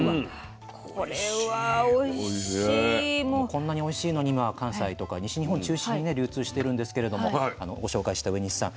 こんなにおいしいのに今は関西とか西日本中心に流通してるんですけれどもご紹介した上西さん